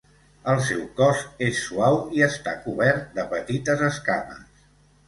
El seu cos és suau i està cobert de petites escames.